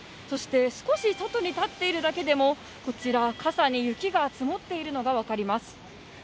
そして少し外に立っているだけでも、傘に雪が積もっているのが分かります。